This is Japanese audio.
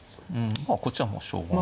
まあこっちはもうしょうがない。